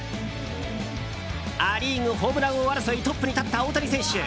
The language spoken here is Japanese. ア・リーグホームラン王争いトップに立った大谷選手。